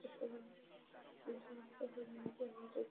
কোনো সমস্যা হলে আগে আমাকেই জানাতে পারতে, নাকি?